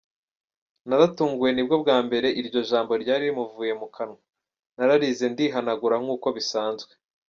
Naratunguwe nibwo bwa mbere iryo jambo ryari rimuvuye mu kanwa, nararize ndihanagura nkuko bisanzwe.